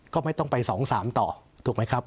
ก็ไม่ต้องไป๒๓ต่อถูกไหมครับ